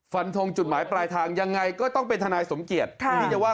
ฟันทงจุดหมายปลายทางยังไงก็ต้องเป็นทนายสมเกียจว่า